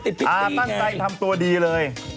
ตั้งใจทำตัวดีเลย